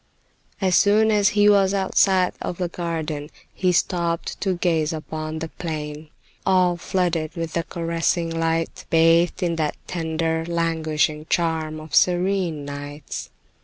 As soon as he was outside of the garden, he stopped to gaze upon the plain all flooded with the caressing light, bathed in that tender, languishing charm of serene nights.